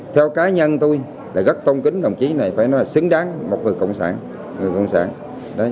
theo cá nhân tôi là rất tôn kính đồng chí này phải nói là xứng đáng một người cộng sản